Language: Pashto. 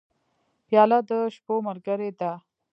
پیاله د شپو ملګرې ده.